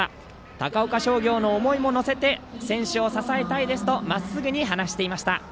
高岡商業の思いも乗せて選手を支えたいですとまっすぐに話していました。